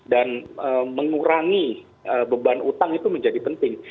dan mengurangi beban utang itu menjadi penting